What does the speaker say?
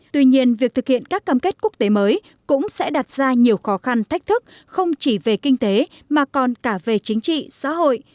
tuy nhiên việc thực hiện các cam kết quốc tế mới cũng sẽ đặt ra nhiều khó khăn thách thức không chỉ về kinh tế mà còn cả về chính trị xã hội